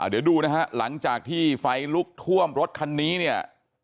เดี๋ยวดูนะฮะหลังจากที่ไฟลุกท่วมรถคันนี้เนี่ย